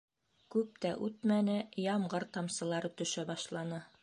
Күп тә үтмәне, ямғыр тамсылары төшә башланы.